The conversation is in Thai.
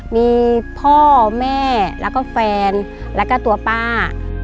มีพ่อแม่แล้วก็แฟนแล้วก็ตัวป้า